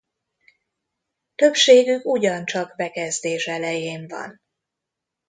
Többségük ugyancsak bekezdés elején van.